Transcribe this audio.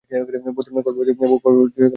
ঘর ভর্তি হয়ে গেল ফুলের গন্ধে।